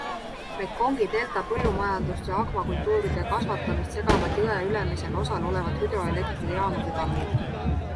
Mekongi delta põllumajandust ja akvakultuuride kasvatamist segavad jõe ülemisel osal olevad hüdroelektrijaamade tammid.